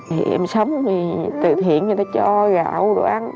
thì em sống thì từ thiện người ta cho gạo đồ ăn